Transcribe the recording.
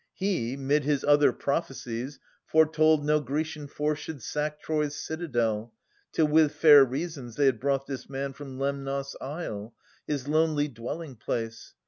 He, 'mid his other prophecies, foretold No Grecian force should sack Troy's citadel, Till with fair reasons they had brought this man From Lemnos isle, his lonely dwelling place.